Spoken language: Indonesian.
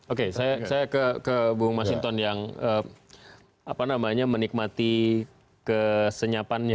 oke saya ke bu mas hinton yang menikmati kesenyapannya